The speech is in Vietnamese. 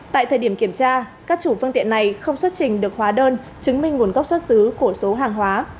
tại thời điểm kiểm tra các chủ phương tiện này không xuất trình được hóa đơn chứng minh nguồn gốc xuất xứ của số hàng hóa